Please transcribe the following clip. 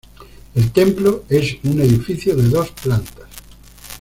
El templo es un edificio de dos plantas.